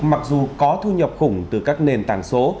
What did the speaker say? mặc dù có thu nhập khủng từ các nền tảng số